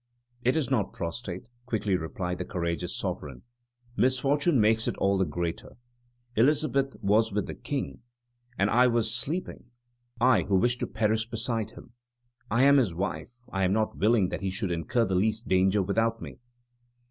"It is not prostrate," quickly replied the courageous sovereign; "misfortune makes it all the greater. Elisabeth was with the King, and I was sleeping! I, who wish to perish beside him! I am his wife; I am not willing that he should incur the least danger without me!"